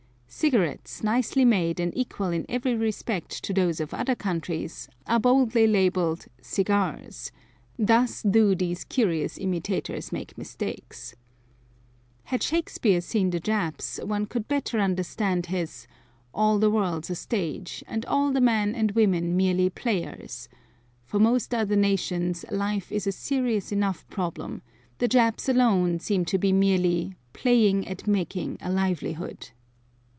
Cigarettes, nicely made and equal in every respect to those of other countries, are boldly labelled "cigars:" thus do these curious imitators make mistakes. Had Shakespeare seen the Japs one could better understand his "All the world's a stage, and all the men and women merely players;" for most other nations life is a serious enough problem, the Japs alone seem to be merely "playing at making a livelihood."